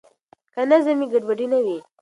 که نظم وي ګډوډي نه وي.